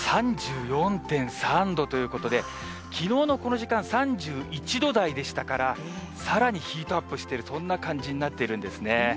３４．３度ということで、きのうのこの時間３１度台でしたから、さらにヒートアップしている、そんな感じになっているんですね。